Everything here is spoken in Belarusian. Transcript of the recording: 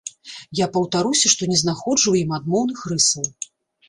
Я паўтаруся, што не знаходжу ў ім адмоўных рысаў.